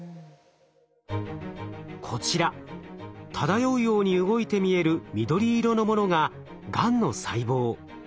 こちら漂うように動いて見える緑色のものががんの細胞。